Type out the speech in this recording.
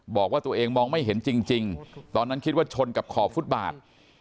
บอกว่าตัวเองมองไม่เห็นจริงตอนนั้นคิดว่าชนกับขอบฟุตบาท